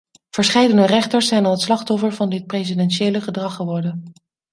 Verscheidene rechters zijn al het slachtoffer van dit presidentiële gedrag geworden.